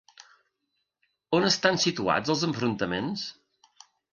On estan situats els enfrontaments?